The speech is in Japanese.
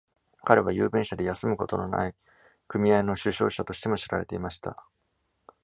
彼は、雄弁者で休むことのない組合の主唱者としても知られていました。